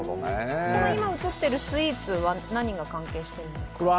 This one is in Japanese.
今映っているスイーツは何が関係してるんですか？